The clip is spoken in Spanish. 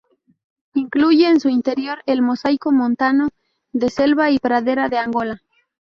Incluye en su interior el mosaico montano de selva y pradera de Angola.